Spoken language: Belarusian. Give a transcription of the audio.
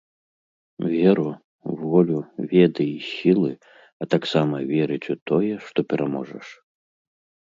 Веру, волю, веды і сілы, а таксама верыць у тое, што пераможаш.